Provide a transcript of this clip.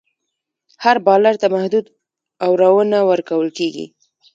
هر بالر ته محدود اوورونه ورکول کیږي.